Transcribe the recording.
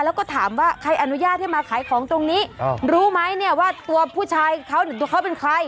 แล้วก็ถามว่าใครอนุญาตให้มาขายของตรงนี้รู้ไหมเนี่ยว่าตัวผู้ชายเขาหรือตัวเขาเป็นใคร